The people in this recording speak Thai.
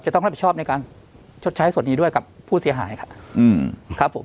ต้องรับผิดชอบในการชดใช้ส่วนนี้ด้วยกับผู้เสียหายครับครับผม